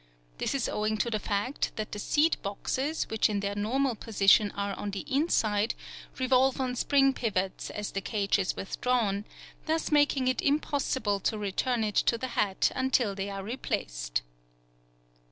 This is owing to the fact that the seed boxes, which in their normal position are on the inside, revolve on spring pivots as the cage is withdrawn, thus making it impossible to return it to the hat until they are replaced.